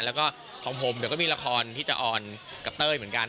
แล้วก็ของผมเดี๋ยวก็มีละครที่จะออนกับเต้ยเหมือนกัน